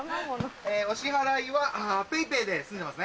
お支払いはＰａｙＰａｙで済んでますね。